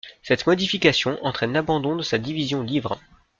Cette modification entraîne l'abandon de sa division livres.